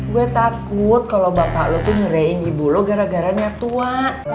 gue takut kalo bapak lo tuh ngeriin ibu lo gara gara nyatua